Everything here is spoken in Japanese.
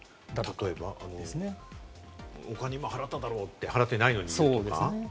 例えば、今お金払っただろうって、払ってないのにとか。